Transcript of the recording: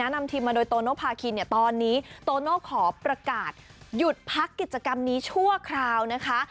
นำทีมมาโดยโตโนภาคินตอนนี้โตโน่ขอประกาศหยุดพักกิจกรรมนี้ชั่วคราวนะคะ